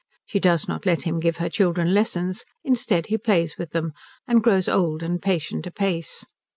She does not let him give her children lessons; instead he plays with them, and grows old and patient apace.